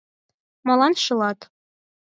Молан шылат?